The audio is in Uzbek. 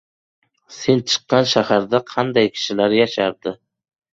– Sen chiqqan shaharda qanday kishilar yashardi?